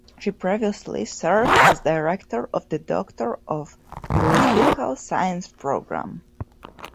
She previously served as Director of the Doctor of Juridical Science Program.